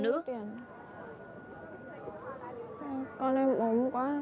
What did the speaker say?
con em ốm quá